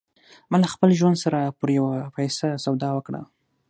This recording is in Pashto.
ما له خپل ژوند سره پر يوه پيسه سودا وکړه.